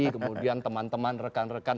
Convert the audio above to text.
kemudian teman teman rekan rekan